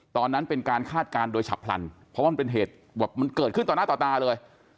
ตอนนั้นเป็นการคาดการณ์โดยฉับพลันเพราะว่ามันเป็นเหตุแบบมันเกิดขึ้นต่อหน้าต่อตาเลย